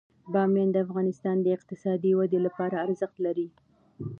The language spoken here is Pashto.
بامیان د افغانستان د اقتصادي ودې لپاره ارزښت لري.